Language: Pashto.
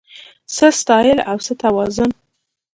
څه سټایل او څه توازن